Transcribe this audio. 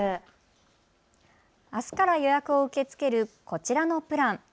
あすから予約を受け付けるこちらのプラン。